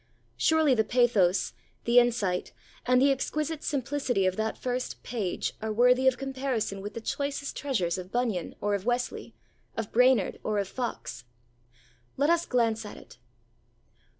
Surely the pathos, the insight, and the exquisite simplicity of that first page are worthy of comparison with the choicest treasures of Bunyan or of Wesley, of Brainerd or of Fox. Let us glance at it.